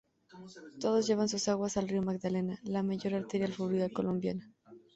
Todos llevan sus aguas al río Magdalena, la mayor arteria fluvial colombiana.